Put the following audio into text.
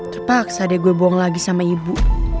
terpaksa deh gue bohong lagi sama ibu